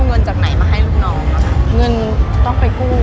เงินต้องไปกู้